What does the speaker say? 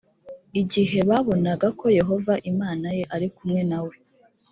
igihe babonaga ko yehova imana ye ari kumwe na we